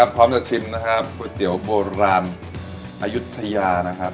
พร้อมจะชิมนะครับก๋วยเตี๋ยวโบราณอายุทยานะครับ